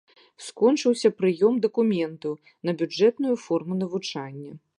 Скончыўся прыём дакументаў на бюджэтную форму навучання.